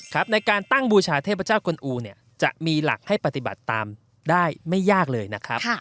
ในการตั้งบูชาเทพเจ้ากลอูเนี่ยจะมีหลักให้ปฏิบัติตามได้ไม่ยากเลยนะครับ